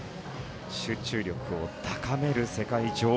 集中力を高める世界女王。